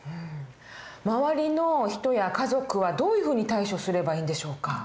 周りの人や家族はどういうふうに対処すればいいんでしょうか？